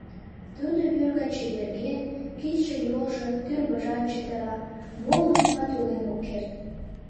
Тудо вӱр гай чеверген, кидше-йолжо, тӱрвыжат чытыра, молым нимат ойлен ок керт.